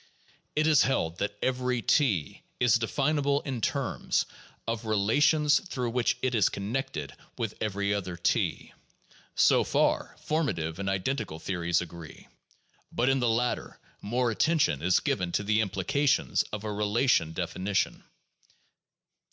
It is held that every T is definable in terms of relations through which it is connected with every other T. So far formative and identical theories agree. But in the latter more at tention is given to the implications of a relational definition.